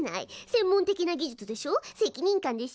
専門的な技術でしょ責任感でしょ。